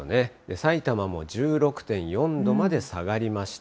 さいたまも１６．４度まで下がりました。